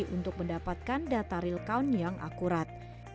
untuk mendapatkan data real count yang akurat